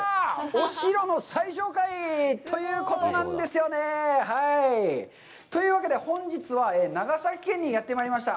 お城の最上階！ということなんですよね。というわけで、本日は長崎県にやってまいりました。